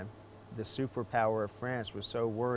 kekuatan super perancis itu sangat khawatir